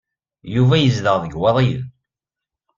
Yuba yezdeɣ deg Iwaḍiyen.